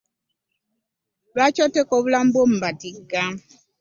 Lwaki oteeka obulamu byo mu matiga?